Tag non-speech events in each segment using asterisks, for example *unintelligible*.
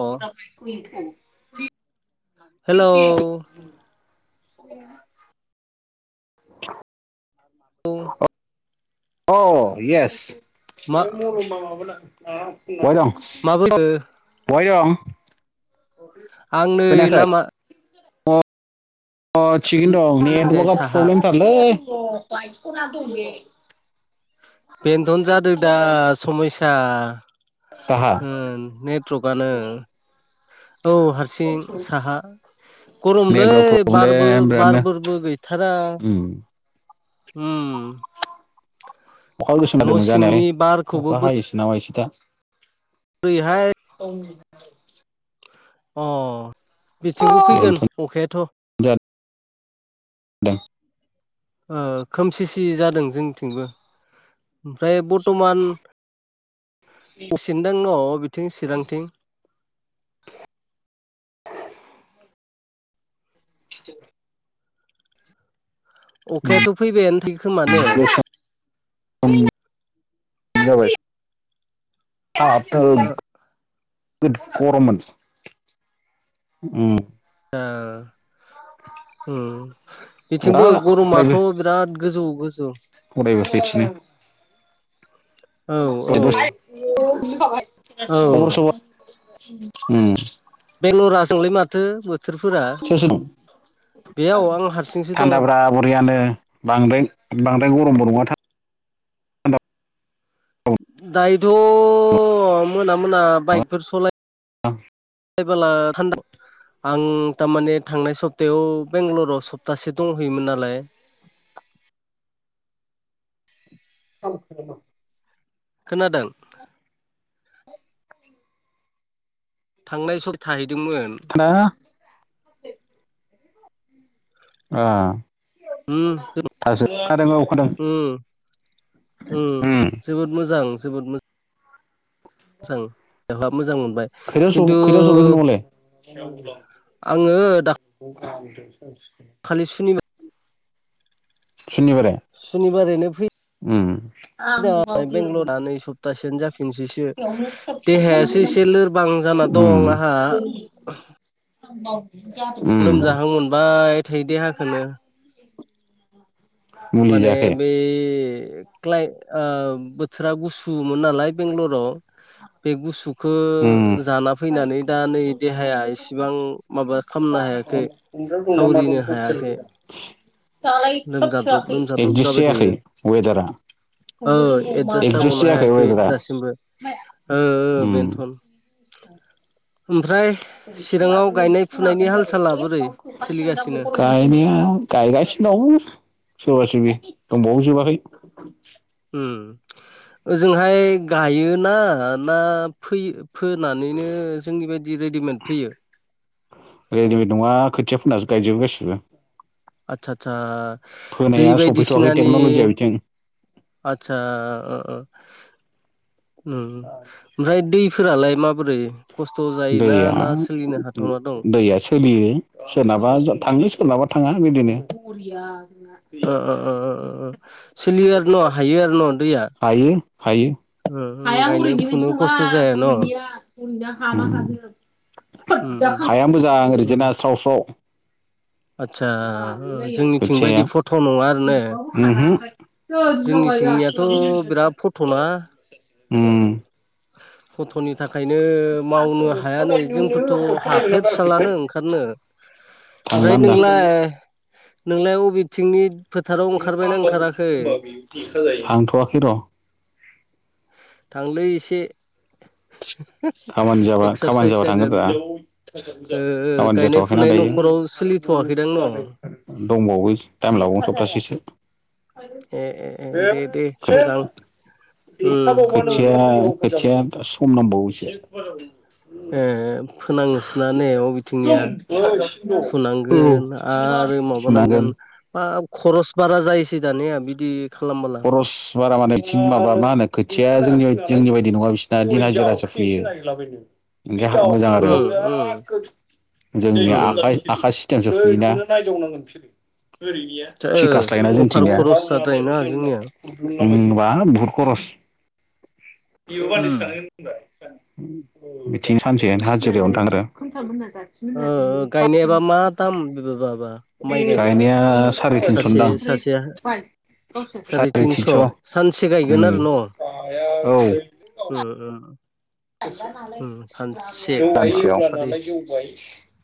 अ hello *unintelligible* *inaudible* अ yes मा *unintelligible* बहाय दं? *unintelligible* बहाय दं? आं नै खोनायाखै लामा अ थिगैनो दं नेटवार्कआ साहा प्रब्लेमथारलै बेन्थन जादों दा समयसा साहा ओं नेटवर्कआनो औ हारसिं साहा गरमलै नेटवर्क बारबो प्रब्लेम बिरादनो बारबोरबो गैथारा उम ओम। अखा गोसोम जादोंमोन जानायालाय सिंनि बारखौबो अखा हायोसो ना मायोथाय ओरैहाय औ। अ बिथिंबो फैगोन बेनोथ' अखायाथ'। दे। ओ खोमसिसि जादों जोंनिथिंबो ओमफ्राय बर्तमान असेनदों *unintelligible* न बिथिं चिरांथिं *inaudible* अखायाथ' फैबायानो थायोखोमा ने? ओ *unintelligible* गरममोन ओम। ओ ओम। दा बिथिंबो गरमाथ' बिराद गोजौ गोजौ अरायबो *unintelligible* फैफिनो *inaudible* औ औ खबर सबर *unintelligible* उम बेंलराजों जोंलै माथो बोथोरफोरा सोर सोर दं बेयाव आं हारसिंसो दं थान्दाब्रा बरियानो बांद्राय बांद्राय गरमबो नङा था दायोथ' मोना मोना बाइकफोर सलायबोला थान्दा आं *unintelligible* थारमाने थांनाय सप्तायाव बेंग्लराव सप्तासे दंहैयोमोन नालाय *inaudible* खोनादों? थांनाय सम थाहैदोंमोन थान्दा ओ उम दं दासो खोनादों औ खोनादों उम उम जोबो मोजां जोबोद मो जां बेवहा मोजां मोनबाय खोथायाव स खिन्थु खोथायाव सफैगोन नङावलाय आङो दा *inaudible* खालि सुनि शनिबारै शुनिबारैनो फै *unintelligible* बेंगलरा नै सप्तासेयानो जाफिननोसैसो देहायासो एसे लोरबां जाना दं उम आंहा *inaudible* उम लोमजाहां मोनबाय थायो देहाखोनो मुलि माने जायाखै बे क्लाय ओ बोथोरा गु सुमोन नालाय बेंगलराव बे गुसु खो उम जाना फैनानै दा नै देहाया इसेबां माबा खालामनो हायाखै थावरिनो हायाखै *inaudible* लोमजाद्रब एडजास‌ जायाखै वेडारा औ एडजासट जागनो हायाखै वेदारा दासिमबो ओ ओ उम बेनथ'न ओमफ्राय *inaudible* चिराङाव गायनाय फुनायनि हाल साला बोरै सोलिगासिनो? गायनाया गायगासिनो दं सोरबा सोरबि दंबावो जोबाखै उम ओजोंहाय गायो ना, ना फोयो? फोनानैनो जोंनि बायदि रेडिमेड फैयो। रेडिमेड नङा खोथियाफोनासो गायजोबो गासिबो आदसा आदसा दै फोनाया सफैथ'वाखै बायदिसिनानि टेक्न'लजिया बिथिं आतसा उम उम ओमफ्राय दै फोरालाय माबोरै खस्थ' जायोना दैया ना सोलिनो हाथावना दं दैया सोलियो। सोरनाबा थांङो, सोरनाबा थांङा बिदिनो *inaudible* ओ ओ ओ ओ ओ सोलियो आरो न' हायो आरो न' दैया उम हाया गायनो हरैनि फुनो बदि नङा खस्थ' जाया न' उम हरैनिया हरैनिया *unintelligible* उम हाया मोजां उम ओरैजाना स्राव स्राव आदसा *inaudible* जोंनिथिं खोथियाया बायदि फथ' नङा आरो ने ओम ओम जोंनिथिंनियाथ' बिराद फथ'ना *inaudible* उम गथ'नि थाखायनो मावनो हाया नै जोंफोरथ' हाफेरसालानो ओंखारनो थांला ओमफ्राय होनदां नोंलाय नोंलाय अबेथिंनि फोथाराव ओंखारबायना ओंखाराखै *inaudible* हांथ'वाखै र' थांलै एसे। खामानि *unintelligible* जाबा खामानि एक्सारसाइस जाबा थांगोन जागोन रा खामानि गायनाय जाथ'वाखैना फुनाय दायो न'खराव सोलि *unintelligible* दंबावो टाइम लाबावगोन सप्तासेसो ए ए ए बे दे दे बे मोजां उम *unintelligible* *unintelligible* उम खोथिया खोथिया सम नांबावोसो एह फोनाङोसोना ने अबेथिंनिया फुनांगोन आरो माबानांगोन फुनांगोन हा खरस बारा जायोसै दानिया बिदि खालामबा खरस बारा माने माबा मा होनो खोथियाया जोंनि, जोंनि बायदि नङा बिसोरनिया दिन हाजिरासो फुयो देहा मोजां आरो उम उम जोंनि उम आखाइ आखा सिस्टेमजो फुयोना *unintelligible* ओ थिखासो लायोना अफार जोंथिंनिया खरस जाद्रायोना जोंनिया ओम बा बुहुत खरस *unintelligible* उम बिथिं सानसे *unintelligible* दे थांग्रो। ओ *unintelligible* गायनाया साराय थिनस' सासे ओनदां सासेया साराय थिनस' तिनस' सानसे गायगोन ओम औ ओम ओम जौबाय *unintelligible* बाबारे नालाय जौबाय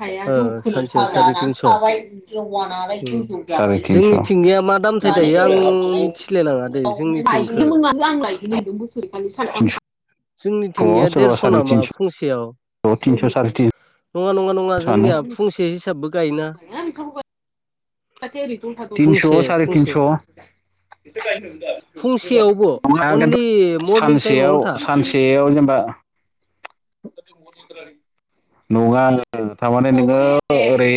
हाया ओ जौखोना सानसेयाव साराय थाजाना तिनस' थाबाय जौवानालाय उम गोजौ जाबाय साराय थिनस जोंनिथिंनिया मा दामथाय दायो आं मिथिलाय लाङा दै जोंनिथिंखो *unintelligible* जोंनिथिंनिया देरस' नामा फुंसेयाव औ तिनस' सारिथिन नङा नङा नङा जोंनिया फुंसे हिसाबबो गायोना फुंसे थिनस' सारे फुंसे थिनस' फुंसेयावबो अनलि *unintelligible* मरनिं टाइमावनो सानसेयाव था सानसे सेयाव जेनबा *unintelligible* नङा थारमाने नोङो ओरै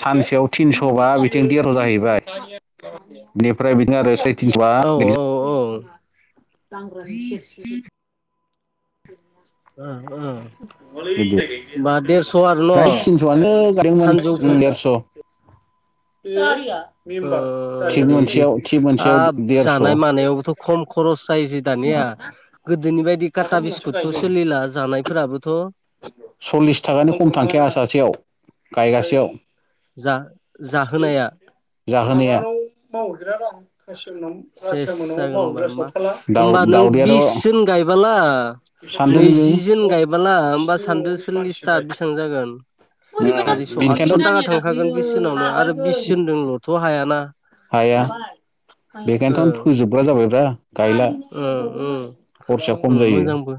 सानसेयाव थिनस'बा बिथिं देर' जाहैबाय *inaudible* बेनिफ्राय बिदिनो आरो सै औ औ औ *unintelligible* ओ ओ आरो न' फ्राय *unintelligible* थिनसआनो गायदोंमोन ओम सानजौफु देरस' गारिया ओ बिमबार दा थिब दे दे मोनसेयाव थिब मोनसेयाव हाब जानाय देरस' मानायावबोथ' खम खरस जायोसै दानिया गोदोनि बायदि काटा बिस्कुटथ' सोलिला जानाय फोराबोथ' सल्लिस थाखानि खम थांखाया सासेयाव गायगासेयाव जा जाहोनाया जाहोनाया *unintelligible* सेस जागोन ओमबा मा दाउ ओमबा नों दाउदैयाथ' बिससोन गायबाला सानदो नोङो नैजि जोन गायबाला ओमबा सान्दो सल्लिसथा बिसां जागोन सारिस' आतस' बेनिखायनोथ' ताका थांखागोन बिसजोनावनो आरो बिसजोनदोंल'थ' हायाना हाया ओ बेखायनथ'नो फोजोबग्रा जाबायब्रा गायला ओ ओ खरसाया ओ खम जायो मोजांबो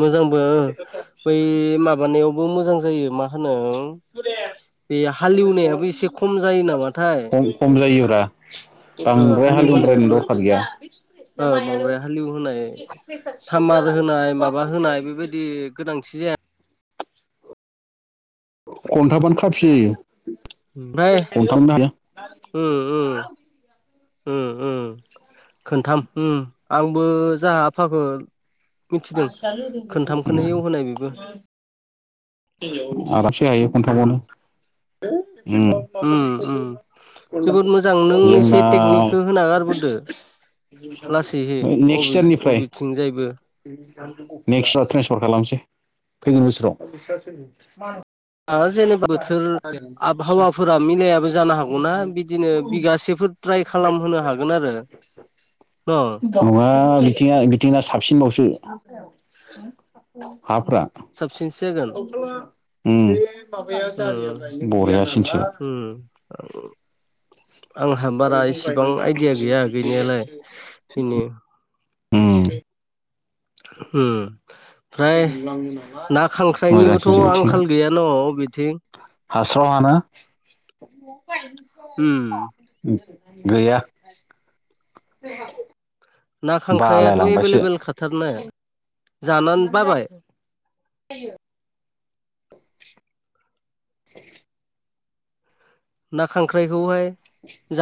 मोजांबो ओं बै माबानायावबो मोजां जायो मा होनो बे हालेवनायाबो एसे खम जायो नामाथाय खम खम जायोब्रा ओ बांद्राय हालेव हालेवद्रायनो होनायाबो दरखार गैया। प्रेसना ओ मायानो बांद्राय हालेव होनाय प्रेसार स्तक सामार जानानै होनाय माबा गुवाहाटीसो होनाय याल बेबायदि गोनांथि जाया। खन्थाबानो खाफि जायो। ओमफ्राय खनथामनो उम्म उम्म। उम्म उम्म खोनथाम उम्म आंबो जाहा आफाखो मिथिदों, खोनथाम खोनो हाया एव होनाय बेबो। आलासि हायो उम खनथामावनो उम्म। *inaudible* उम उम जोबोद मोजां नों एसे जोंना टेकनिकखौ होना गारबोदो *inaudible* लासैहै नेक्स्ट अबे इयारनिफ्राय। अबेथिंजायबो नेक्स्ट्रा ट्रेन्सफार खालामसै फैगोन बोसोराव। जेनेबा बोथोर आबहावाफोरा मिलायाबो जानो हागौना बिदिनो बिगासेफोर ट्राइ खालामहोनो हागोन आरो न नङा बिथिंङा बिथिंना साबसिनबावसो हाफ्रा। साबसिनसो जागोन उम्म बरियासिनोसो। उम्म। *inaudible* आंहा बारा इसिबां आइदिया गैया गैनायालाय बेनो। उम्म। उम्म। ओमफ्राय ना खांख्राइनिबोथ' मोजांसिनसो बिथिंना आंखाल गैया न' अबेथिं? हास्राव हाना उम्म। *inaudible* गैया। ना खांख्रायाथ' बालायलांबायसो एभेलेबेल खााथारनाय ने जानानै बाबाय। *unintelligible* *inaudible* ना खांख्राइखौहाय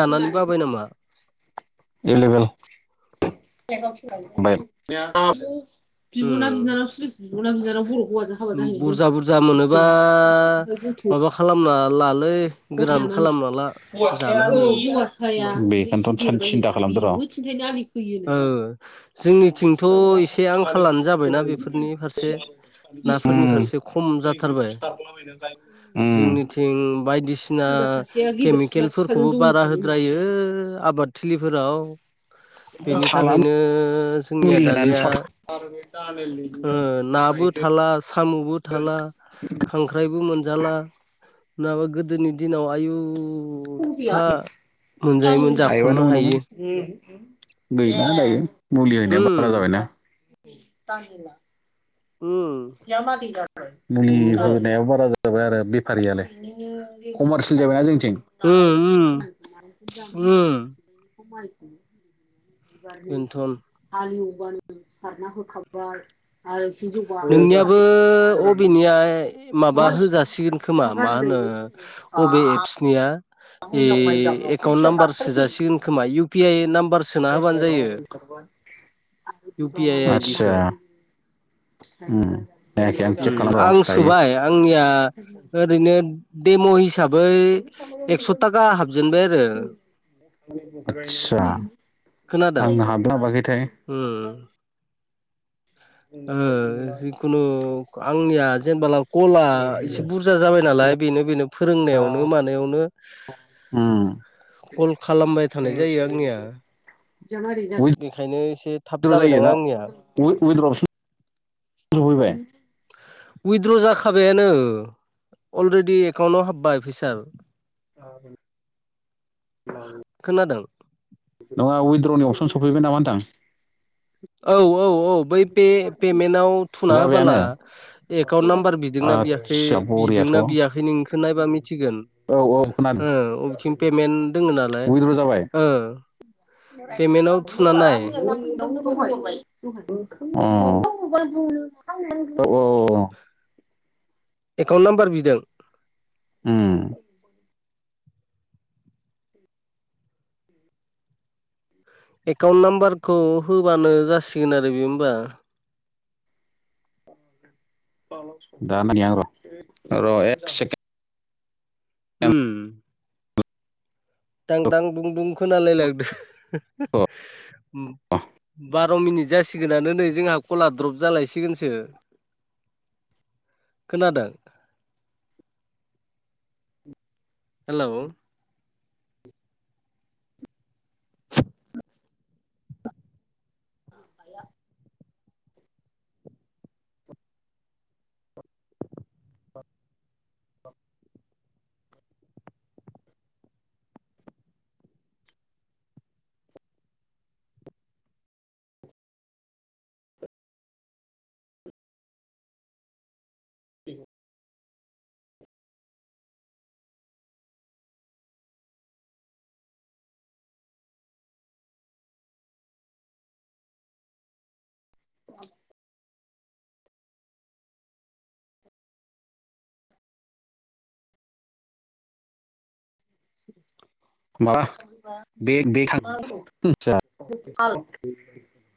जानानै बाबाय नामा? ए लेबेल *inaudible* बिब'ना बिनानावसोलै बिब'ना उम बिनानाव बर' हौवाजों हाबा जाहैनाय दं *unintelligible* ओ माबा खालामना ला *unintelligible* गोरान खालामना हौवासाया जानो बे हामगोन हौवासाया उनाव थामथिन्दा खालामदोर' ओ जोंनिथिंथ' एसे आंखालानो जाबायना बेफोरनि फारसे नाफोरनि उम फारसे खम जाथारबाय उम जोंनिथिं बायदिसिना केमिकेल फोरखौबो बारा होद्रायो आबाद थिलिफोराव। बेनि थाला थाखायनो जोंनिया मुलि होनानै दानिया ओ नाबो थाला साम'बो थाला। खांख्राइबो मोनजाला नङाबा गोदोनि दिनाव आयु फा मोनजायोमोन हायोबानो जाख'नोनो मोनोमोन हायि। गैला दायो मुलि होनाया उम बारा जाबायना। उम्म। *unintelligible* मुलि होनाय आव बारा जादों। *inaudible* आरो बेफारियालाय कमारसियेल जाबायना जों उम उम उम *unintelligible* बेनथन *unintelligible* नोंनियाबो अबेनिया माबा होजासिगोन *unintelligible* खोमा मा होनो बबे एप्सनिया ए एकाउन्ट नाम्बार सोजासिगोन खोमा इउ पि आइ नाम्बार सोना होबानो जायो इउ पि आइ *inaudible* आतसा आइदिखौ उम्म। उम्म आं सुबाय आंनिया ओ ओरैनो देम' हिसाबै एक्स' थाखा हाबजेनबाय आरो। आतसा खोनादों आंनो हाबनो हाबाखैथाय उम ओ जिखुनु आंनिया जेनबा लाव कलला एसे बुरजा जाबाय नालाय बेनो बेनो फोरोंनायावनो मानायावनो उम कल खालामबाय थानाय जायो आंनिया बेखायनो एसे थाब उइद्र' जाबाय जायो दां ना आंनिया *unintelligible* सफैबाय उइद्र' जाखाबायानो। अलरडि एकाउन्टाव हाबबाय फैसार *unintelligible* खोनादों? नङा उइद्र'नि अपसन सफैबाय नामा होनदां? औ औ औ। बै पे पेमेन्टाव थुना होबोला जाबायानो एकाउन्ट नाम्बार बिदोंना बिया खै आदसा बरियाथ' औ बिदोंना बियाखै नोंनिखो नायबा मिथिगोन। औ खोनादों ओ अबेथिं पेमेन्ट दङ नालाय उइद्र' जाबाय ओ पेमेन्टाव थुना नाय *unintelligible* *unintelligible* एकाउन्ट नाम्बार बिदों उम एकाउन्ट नाम्बारखौ होबानो जासिगोन आरो बियो होमबा। दा *unintelligible* उम। दांदांदुंदुं खोनालायलांदो बा बार मिनिट जासिगोनानो नै जोंहा कला द्रप जालायसिगोनसो खोनादों हेलौ *unintelligible* *unintelligible* औ *unintelligible*